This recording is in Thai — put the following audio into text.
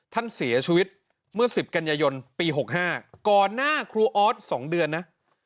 ท่านเสียชีวิตเมื่อ๑๐กันยายนปี๖๕ก่อนหน้าครูออส๒เดือนนะ